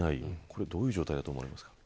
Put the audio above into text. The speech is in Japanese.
これ、どういう状態だと思いますか。